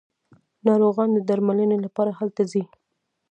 ناروغان د درملنې لپاره هلته ځي.